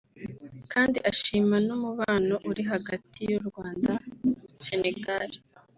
kandi ashima n’umubano uri hagati y’u Rwanda Senegal